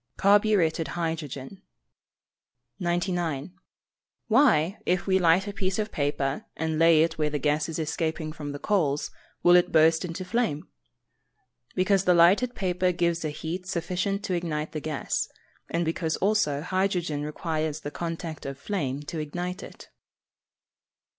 _ Carburetted hydrogen. 99. Why, if we light a piece of paper, and lay it where the gas is escaping from the coals, will it burst into flame? Because the lighted paper gives a heat sufficient to ignite the gas; and because also hydrogen requires the contact of flame to ignite it.